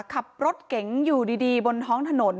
ขับรถเก๋งอยู่ดีบนท้องถนน